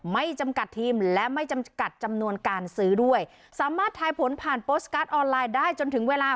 ไม่จำกัดทีมและไม่จำกัดจำนวนการซื้อด้วยสามารถทายผลผ่านโปสตการ์ดออนไลน์ได้จนถึงเวลา